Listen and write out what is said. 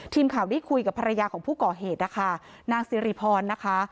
ทีมข่าวได้คุยกับภรรยาของผู้ก่อเหตุนะคะนางสิริพรนะคะ